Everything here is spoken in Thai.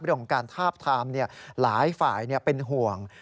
เรื่องของการทาบทามหลายฝ่ายเป็นห่วง